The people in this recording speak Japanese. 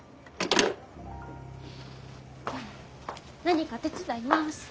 何か手伝います。